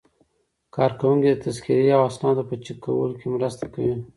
کارکوونکي د تذکرې او اسنادو په چک کولو کې مرسته کوي.